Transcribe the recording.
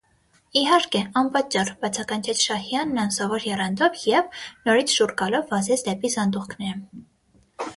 - Իհարկե, անպատճառ,- բացականչեց Շահյանն անսովոր եռանդով և, նորից շուռ գալով, վազեց դեպի սանդուղքները: